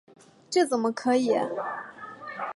这怎么可以！